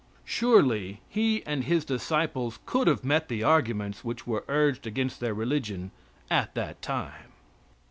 Surely He and His disciples could have met the arguments which were urged against their religion at that time.